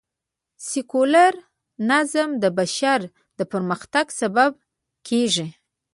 سکیولر نظام د بشر د پرمختګ سبب کېږي